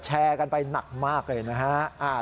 แชร์กันไปหนักมากเลยนะฮะ